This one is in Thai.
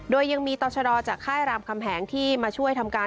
โดยยังมีต่อชะดอจากค่ายรามคำแหงที่มาช่วยทำการ